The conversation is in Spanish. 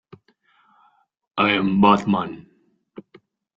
La fachada posee una puerta y tres ventanas que proporcionan luz al "aula".